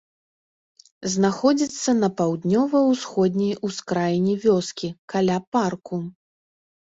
Знаходзіцца на паўднёва-ўсходняй ускраіне вёскі, каля парку.